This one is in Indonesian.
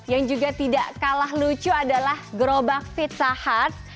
yang juga tidak kalah lucu adalah gerobak pizza huts